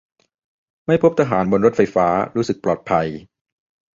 ไม่พบทหารบนรถไฟฟ้า รู้สึกปลอดภัย